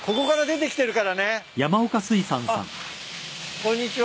こんにちは。